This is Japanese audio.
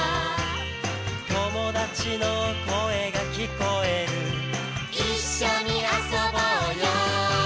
「友達の声が聞こえる」「一緒に遊ぼうよ」